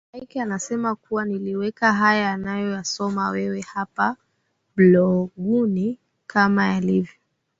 Mike anasema kuwa Niliweka haya unayoyasoma wewe hapa bloguni kama yalivyo